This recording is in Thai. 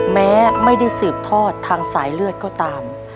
แม้ไม่ได้สืบทอดทางสายเลือดก็ตาม